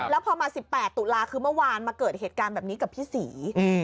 แล้วพอมา๑๘ตุลาคือเมื่อวานมาเกิดเหตุการณ์แบบนี้กับพี่ศรี